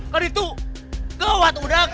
kan itu gawat udang